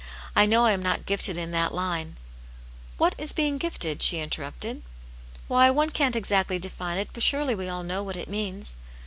" I know I am not gifted in that line " "What is being gifted V* she interrupted. " Why, one can't exactly define it, but surely we all know what it means."